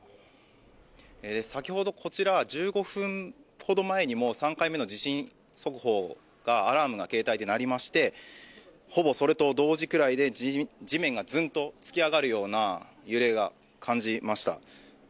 先ほどこちら、１５分ほど前にも３回目の地震速報、アラームが携帯でなりまして、ほぼそれと同時ぐらいで地面がズンとつき上がるような揺れを感じました。